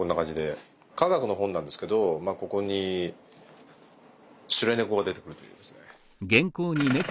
科学の本なんですけどここにシュレ猫が出てくるというですね。